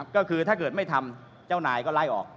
ก็คือถ้าเกิดไม่ทำเจ้านายก็ไล่ออก